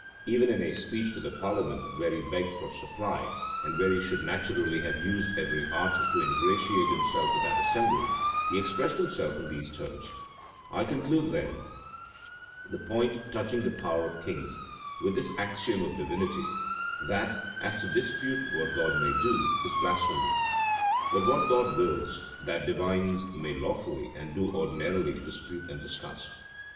Even in a speech to the parliament where he begged for supply, and where he should naturally have used every art to ingratiate himself with that assembly, he expressed himself in these terms: "I conclude, then, the point touching the power of kings, with this axiom of divinity, that, as to dispute what God may do, is blasphemy; but what God wills, that divines may lawfully and do ordinarily dispute and discuss.